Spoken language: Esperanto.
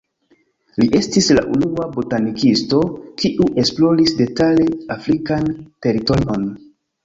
Li estis la unua botanikisto, kiu esploris detale afrikan teritorion.